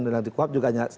dan di kuhap juga